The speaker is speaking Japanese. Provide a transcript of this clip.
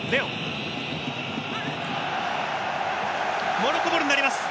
モロッコボールになります。